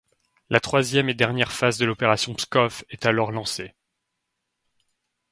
La troisième et dernière phase de l'opération Pskov est alors lancée.